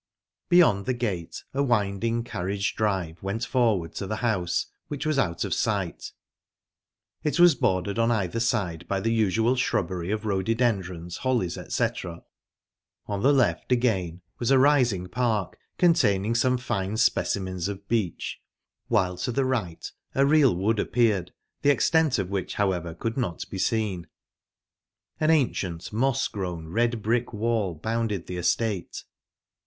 Beyond the gate a winding carriage drive went forward to the house, which was out of sight; it was bordered on either side by the usual shrubbery of rhododendrons, hollies, etc. on the left, again, was a rising park, containing some fine specimens of beech, while to the right a real wood appeared, the extent of which, however, could not be seen. An ancient, moss grown, red brick wall bounded the estate.